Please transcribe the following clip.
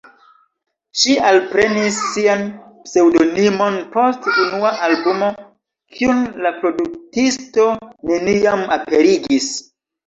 Ŝi alprenis sian pseŭdonimon post unua albumo kiun la produktisto neniam aperigis.